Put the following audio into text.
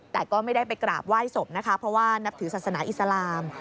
แต่ก็ไม่ได้ไปกราบไหว้ศพนะคะเพราะว่านับถือศาสนาอิสลาม